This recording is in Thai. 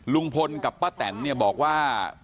ลุงพลกับป้าแต่นบอกว่า